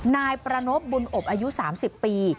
นายประนบบุญอบอายุ๓๐ปี